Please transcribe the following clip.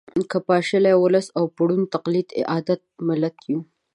که پاشلی ولس او په ړوند تقلید عادت ملت یو